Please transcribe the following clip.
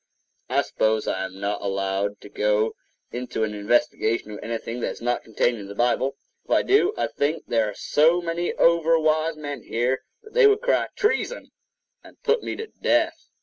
I suppose I am not allowed to go into an investigation of anything that is not contained in the Bible. If I do, I think there are so many over wise men here, that they would cry "treason" and put me to death.